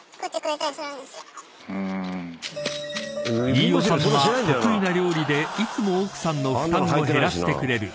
［飯尾さんは得意な料理でいつも奥さんの負担を減らしてくれる］